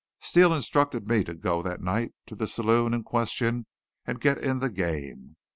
Steele instructed me to go that night to the saloon in question and get in the game.